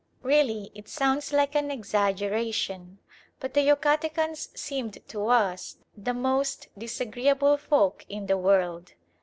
Really it sounds like an exaggeration, but the Yucatecans seemed to us the most disagreeable folk in the world.